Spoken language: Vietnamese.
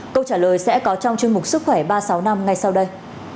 câu trả lời sẽ có trong chương mục sức khỏe ba sáu năm ngay sau đây